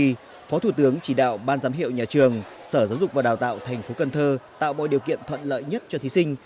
trong môn thi phó thủ tướng chỉ đạo ban giám hiệu nhà trường sở giáo dục và đào tạo thành phố cần thơ tạo mọi điều kiện thuận lợi nhất cho thí sinh